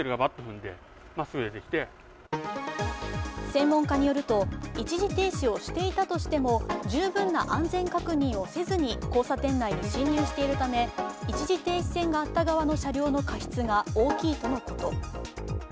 専門家によると、一時停止をしていたとしても十分な安全確認をせずに交差点内に進入しているため一時停止線があった側の過失が大きいとのこと。